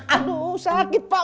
aduh sakit pak